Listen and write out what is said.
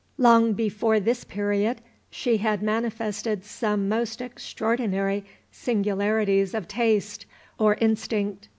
Long before this period, she had manifested some most extraordinary singularities of taste or instinct.